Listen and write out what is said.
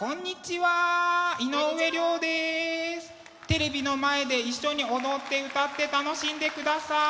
テレビの前で一緒に踊って歌って楽しんでください。